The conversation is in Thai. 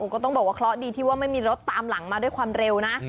ก็ต้องบอกว่าเคราะห์ดีที่ว่าไม่มีรถตามหลังมาด้วยความเร็วนะ